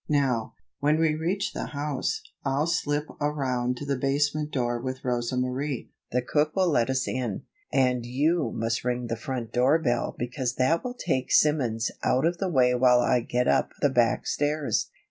"Now, when we reach the house, I'll slip around to the basement door with Rosa Marie the cook will let us in and you must ring the front door bell because that will take Simmons out of the way while I get up the back stairs.